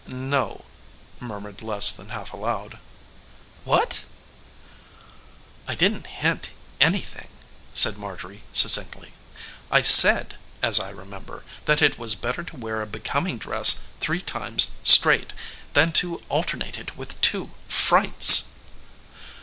"No," murmured less than half aloud. "What?" "I didn't hint anything," said Marjorie succinctly. "I said, as I remember, that it was better to wear a becoming dress three times straight than to alternate it with two frights."